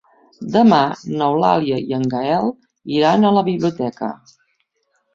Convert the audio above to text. Demà n'Eulàlia i en Gaël iran a la biblioteca.